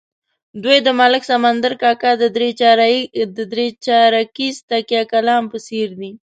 دوی د ملک سمندر کاکا د درې چارکیز تکیه کلام په څېر دي.